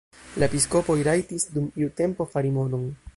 La episkopoj rajtis dum iu tempo fari monon.